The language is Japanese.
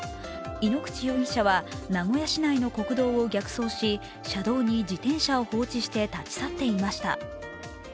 井ノ口容疑者は名古屋市内の国道を逆走し、車道に自転車を放置して立ち去っていました。